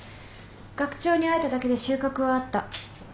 学長に会えただけで収穫はあった。